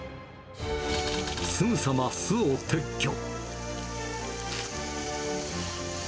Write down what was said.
すぐさま巣を撤去。